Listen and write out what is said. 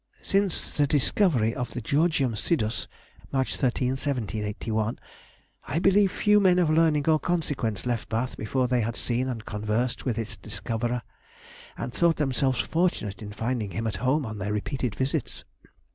Since the discovery of the Georgium Sidus [March 13, 1781], I believe few men of learning or consequence left Bath before they had seen and conversed with its discoverer, and thought themselves fortunate in finding him at home on their repeated visits.